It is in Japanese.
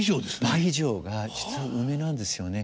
倍以上が実は梅なんですよね。